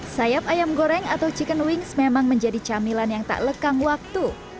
sayap ayam goreng atau chicken wings memang menjadi camilan yang tak lekang waktu